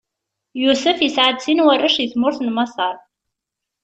Yusef isɛa-d sin n warrac di tmurt n Maṣer.